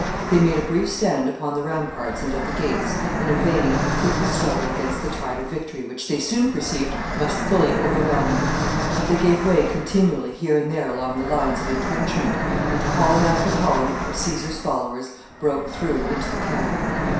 They made a brief stand upon the ramparts and at the gates in a vain and fruitless struggle against the tide of victory which they soon perceived must fully overwhelm them. They gave way continually here and there along the lines of intrenchment, and column after column of Caesar's followers broke through into the camp.